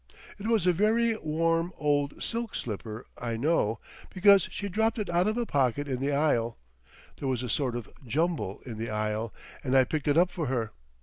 It was a very warm old silk slipper, I know, because she dropped it out of a pocket in the aisle—there was a sort of jumble in the aisle—and I picked it up for her.